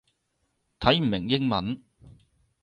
睇唔明英文